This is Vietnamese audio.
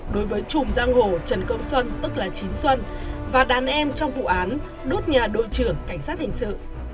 đối với chùm giang hồ trần công xuân và đàn em trong vụ án đốt nhà đội trưởng cảnh sát hình sự